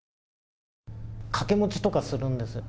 掛け持ちとかするんですよ。